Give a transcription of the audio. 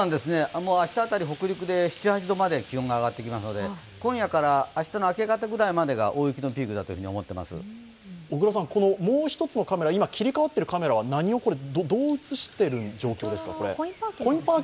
明日辺り北陸で７８度くらいまで気温が上がりますので、今夜から明日の明け方くらいまでが大雪のピークだともう一つのカメラ、今切り替わっているカメラはどこを映している状況ですか？